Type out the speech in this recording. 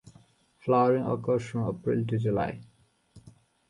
Flowering occurs from April to July.